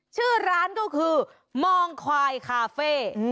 ชื่อร้านก็คือมองควายคาเฟ่